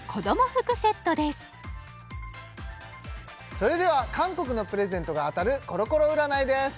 それでは韓国のプレゼントが当たるコロコロ占いです